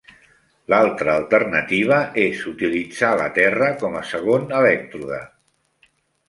L'altra alternativa és utilitzar la Terra com a segon elèctrode.